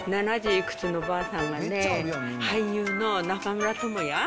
いくつのばあさんがね、俳優の中村倫也。